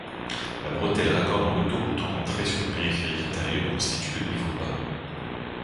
La bretelle raccordant l'autoroute en entrée sur le périphérique intérieur constitue le niveau bas.